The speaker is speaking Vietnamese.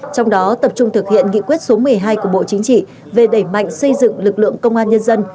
trong đó tập trung thực hiện nghị quyết số một mươi hai của bộ chính trị về đẩy mạnh xây dựng lực lượng công an nhân dân